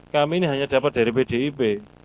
kami ini hanya dapat dari pdip